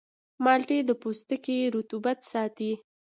مالټې د پوستکي رطوبت ساتي.